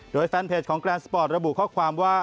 โดยแฟนเพจของแกรนสปอร์ตระบุข้อความว่า